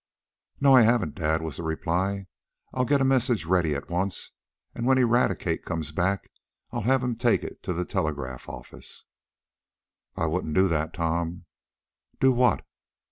"No, I haven't, dad," was the reply. "I'll get a message ready at once, and when Eradicate comes back I'll have him take it to the telegraph office." "I wouldn't do that, Tom." "Do what?"